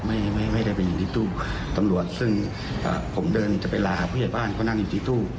ไม่ได้ไม่ได้ไปอยู่ที่ตู้ตำรวจซึ่งผมเดินจะไปลาหาผู้ใหญ่บ้านเขานั่งอยู่ที่ตู้